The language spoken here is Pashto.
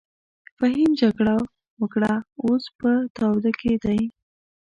فهيم جګړه وکړه اوس په تاوده کښی دې.